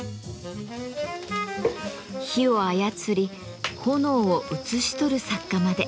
火を操り炎を写し取る作家まで。